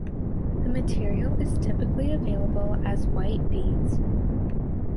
The material is typically available as white beads.